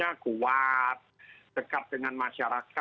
ya kuat dekat dengan masyarakat